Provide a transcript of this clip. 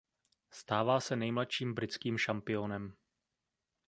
Stává se nejmladším britským šampionem.